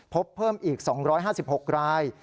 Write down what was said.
พบเพิ่มอีก๒๕๖ราย